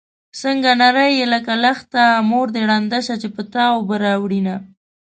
څنګه نرۍ يې لکه لښته مور دې ړنده شه چې په تا اوبه راوړينه